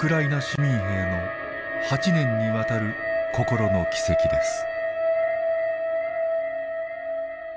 市民兵の８年にわたる心の軌跡です。